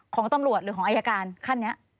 ของตำรวจหรือของอายการขั้นนี้